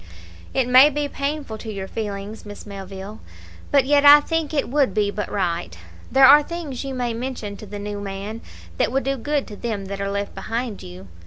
"It may be painful to your feelings, Miss Melville, but yet I think it would be but right. There are things you may mention to the new man that would do good to them that are left behind you.